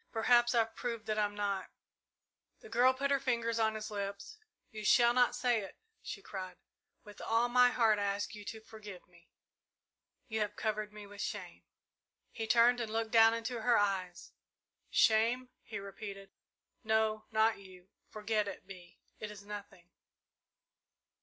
Perhaps I've proved that I'm not " The girl put her fingers on his lips. "You shall not say it!" she cried. "With all my heart I ask you to forgive me you have covered me with shame." He turned and looked down into her eyes. "Shame," he repeated; "no, not you. Forget it, Bee; it is nothing.